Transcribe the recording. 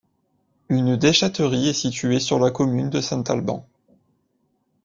Une déchèterie est située sur la commune de Saint-Alban.